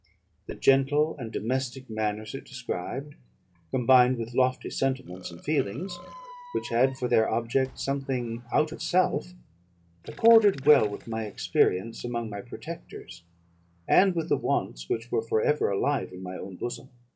The gentle and domestic manners it described, combined with lofty sentiments and feelings, which had for their object something out of self, accorded well with my experience among my protectors, and with the wants which were for ever alive in my own bosom.